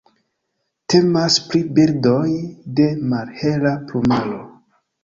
Temas pri birdoj de malhela plumaro.